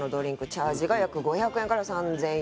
チャージが約５００円から３０００円。